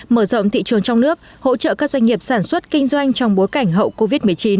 mở rộng thị trường trong nước hỗ trợ các doanh nghiệp sản xuất kinh doanh trong bối cảnh hậu covid một mươi chín